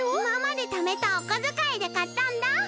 いままでためたおこづかいでかったんだ。